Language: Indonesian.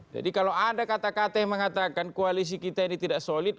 jadi kalau ada kata kata yang mengatakan koalisi kita ini tidak solid